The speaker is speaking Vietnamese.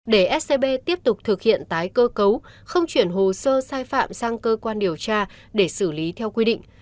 để scb tiếp tục thực hiện tái cơ cấu không chuyển hồ sơ sai phạm sang cơ quan điều tra để xử lý theo quy định